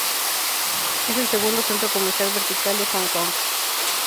Es el segundo "centro comercial vertical" de Hong Kong.